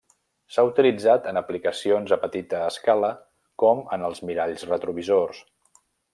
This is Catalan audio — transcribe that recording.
S'ha utilitzat en aplicacions a petita escala com en els miralls retrovisors.